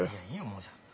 もうじゃ。